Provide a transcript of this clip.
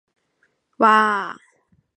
わああああ